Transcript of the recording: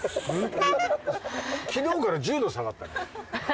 昨日から１０℃下がった。